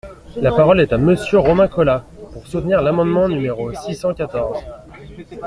La parole est à Monsieur Romain Colas, pour soutenir l’amendement numéro six cent quatorze.